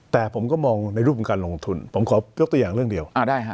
แต่ผมก็มองในรูปของการลงทุนผมขอยกตัวอย่างเรื่องเดียวอ่าได้ฮะ